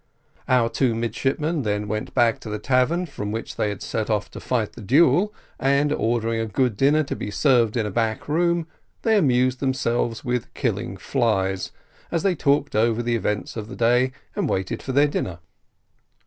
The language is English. Our two midshipmen then went back to the tavern from which they had set off to fight the duel, and ordering a good dinner to be served in a back room, they amused themselves with killing flies, as they talked over the events of the day, and waited for their dinner.